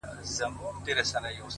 پر ښايستوكو سترگو؛